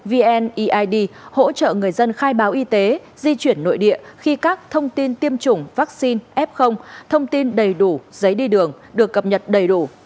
tp hcm đã triển khai ứng dụng vn eid hỗ trợ người dân khai báo y tế di chuyển nội địa khi các thông tin tiêm chủng vaccine f thông tin đầy đủ giấy đi đường được cập nhật đầy đủ